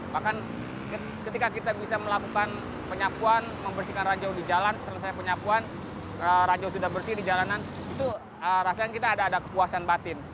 bahkan ketika kita bisa melakukan penyapuan membersihkan ranjau di jalan selesai penyapuan ranjau sudah bersih di jalanan itu rasanya kita ada ada kepuasan batin